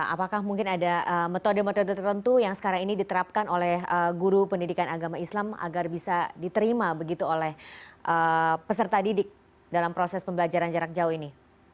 apakah mungkin ada metode metode tertentu yang sekarang ini diterapkan oleh guru pendidikan agama islam agar bisa diterima begitu oleh peserta didik dalam proses pembelajaran jarak jauh ini